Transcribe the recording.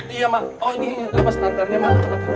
iya ma oh ini yang lepas tanternya ma